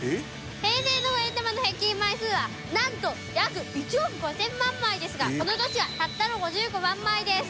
平成の５円玉の平均枚数はなんと約１億５０００万枚ですがこの年はたったの５５万枚です。